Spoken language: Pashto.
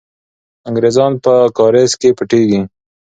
انګریزان په کارېز کې پټېږي.